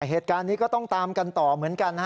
เหตุการณ์นี้ก็ต้องตามกันต่อเหมือนกัน